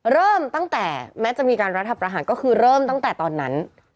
เริ่มตั้งแต่แม้จะมีการรัฐประหารก็คือเริ่มตั้งแต่ตอนนั้น